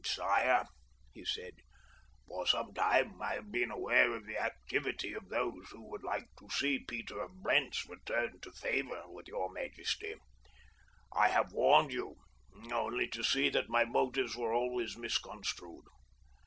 "Sire," he said, "for some time I have been aware of the activity of those who would like to see Peter of Blentz returned to favor with your majesty. I have warned you, only to see that my motives were always misconstrued.